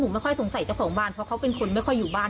ไม่ค่อยสงสัยเจ้าของบ้านเพราะเขาเป็นคนไม่ค่อยอยู่บ้าน